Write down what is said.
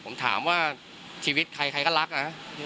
ผมถามว่าชีวิตใครใครก็รักนะ